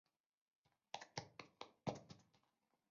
维新事败。